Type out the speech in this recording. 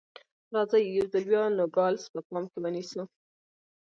راځئ یو ځل بیا نوګالس په پام کې ونیسو.